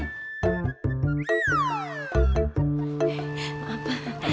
eh maaf pak rt